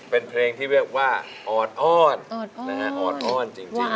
เป็นเพลงที่เรียกว่าออดอ้อน